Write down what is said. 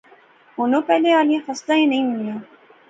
ہُن اوہ پہلے آلیاں فصلاں ہی نی ہونیاں